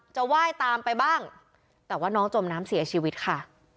ไหว้ตามไปบ้างแต่ว่าน้องจมน้ำเสียชีวิตค่ะ